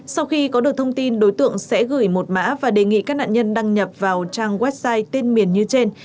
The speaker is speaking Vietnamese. sau khi có được thông tin đối tượng sẽ gửi một mã và đề nghị các nạn nhân đăng nhập vào trang website tên miền như trên